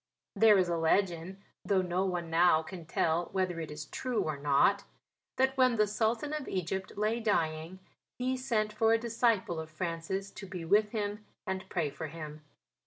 There is a legend though no one now can tell whether it is true or not that when the Sultan of Egypt lay dying he sent for a disciple of Francis to be with him and pray for him.